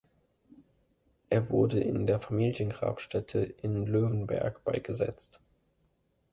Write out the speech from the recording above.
Er wurde in der Familiengrabstätte in Löwenberg beigesetzt.